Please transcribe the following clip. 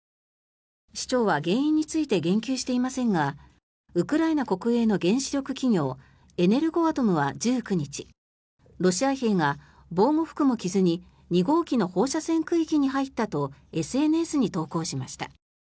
市長は原因について言及していませんがウクライナ国営の原子力企業エネルゴアトムは１９日ロシア兵が防護服も着ずに２号機の放射線区域に入ったとＳＮＳに投稿しました。